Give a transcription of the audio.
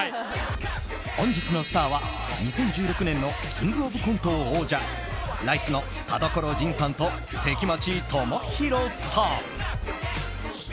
本日のスターは２０１６年の「キングオブコント」王者ライスの田所仁さんと関町知弘さん。